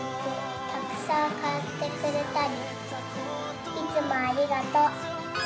たくさん買ってくれたりいつもありがとう」。